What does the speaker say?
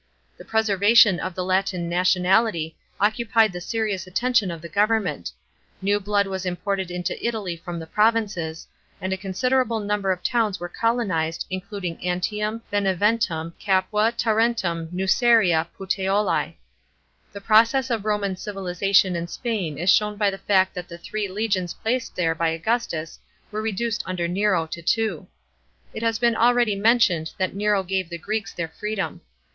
The preservation of the Latin nationality occupied the serious attention of the government ; new blood was imported into Italy from the provinces ; and a considerable number of towns were colonised, including Antium, Beneventum, Capua, Tarentum, Nuceria, Puteoli. The progress of Roman civilisation in Spain is shown by the fact that the three legions placed there by Augustus were reduced under Nero to two. It has been already mentioned that Nero gave the Greeks their freedom.